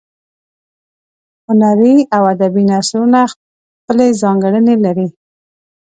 هنري او ادبي نثرونه خپلې ځانګړنې لري.